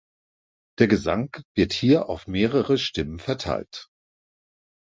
Der Gesang wird hier auf mehrere Stimmen verteilt.